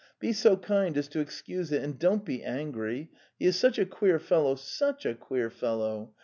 '' Be so kind as to excuse it, and don't be angry. He is such a queer fellow, such a queer fellow!